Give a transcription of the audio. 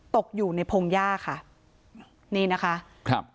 ตกอยู่ในพงหญ้าค่ะนี่นะคะครับ